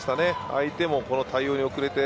相手も対応に遅れて